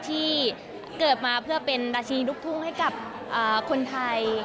ที่เกิดมาเพื่อเป็นราชินีลูกทุ่งให้กับคนไทย